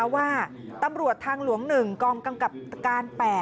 ว่าตำรวจทางหลวง๑กองกำกับการ๘